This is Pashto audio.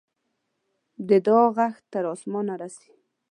د دعا ږغ تر آسمانه رسي.